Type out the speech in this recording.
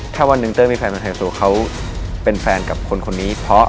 ถ้าวันหนึ่งเต้ยมีแฟนมาแสดงตัวเขาเป็นแฟนกับคนคนนี้เพราะ